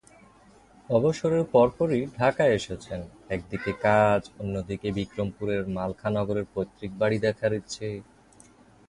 অবসরের পরপরই ঢাকায় এসেছেন—একদিকে কাজ, অন্যদিকে বিক্রমপুরের মালখানগরের পৈতৃক বাড়ি দেখার ইচ্ছা।